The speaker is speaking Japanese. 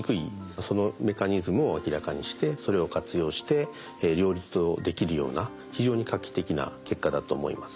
そのメカニズムを明らかにしてそれを活用して両立をできるような非常に画期的な結果だと思います。